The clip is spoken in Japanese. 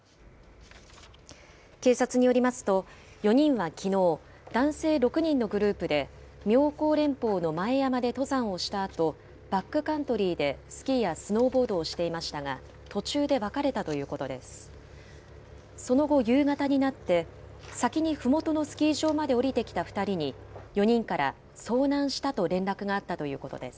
警察によりますと、４人はきのう、男性６人のグループで妙高連峰の前山で登山をしたあと、バックカントリーでスキーやスノーボードをしていましたが、途中で分かれたということです。